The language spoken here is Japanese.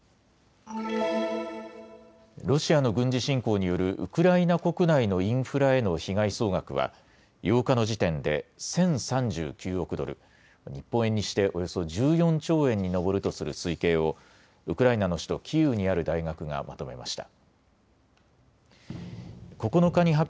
ロシアの軍事侵攻によるウクライナ国内のインフラへの被害総額は８日の時点で１０３９億ドル、日本円にしておよそ１４兆円に上るとする推計をウクライナの首都キーウにある大学がまとめました。